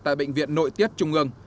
tại bệnh viện nội tiết trung ương